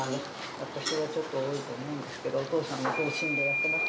私はちょっと多いと思うんですけど、お父さんの方針でやってます。